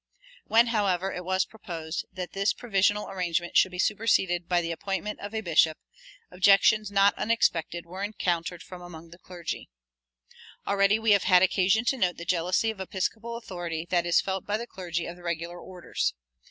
When, however, it was proposed that this provisional arrangement should be superseded by the appointment of a bishop, objections not unexpected were encountered from among the clergy. Already we have had occasion to note the jealousy of episcopal authority that is felt by the clergy of the regular orders.